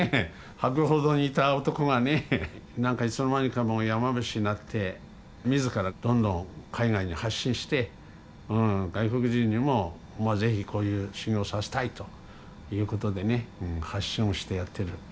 博報堂にいた男がね何かいつの間にかもう山伏になって自らどんどん海外に発信して外国人にも是非こういう修行をさせたいということでね発信をしてやってる。